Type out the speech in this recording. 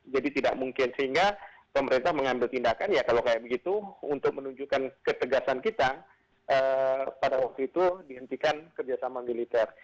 jadi tidak mungkin sehingga pemerintah mengambil tindakan ya kalau kayak begitu untuk menunjukkan ketegasan kita pada waktu itu dihentikan kerjasama militer